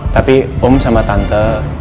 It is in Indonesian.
tapi om sama tante